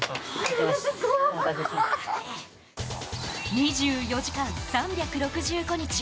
２４時間３６５日